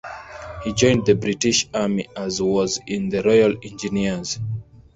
He joined the British Army as was in the Royal Engineers.